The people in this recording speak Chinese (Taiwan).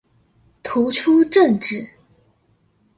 突出政治